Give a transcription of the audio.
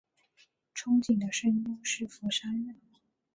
憧憬的声优是福山润。